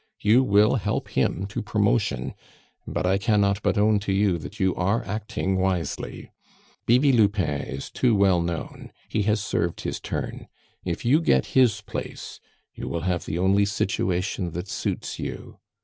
You will help him to promotion; but I cannot but own to you that you are acting wisely. Bibi Lupin is too well known; he has served his turn; if you get his place, you will have the only situation that suits you.